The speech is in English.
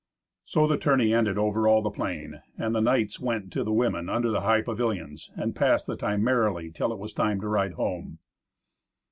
So the tourney ended over all the plain. And the knights went to the women under the high pavilions, and passed the time merrily till it was time to ride home.